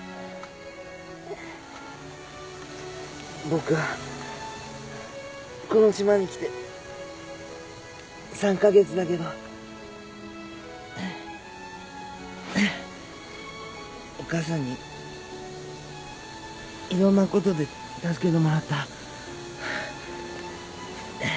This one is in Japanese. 僕はこの島に来て３か月だけどお母さんにいろんなことで助けてもらった。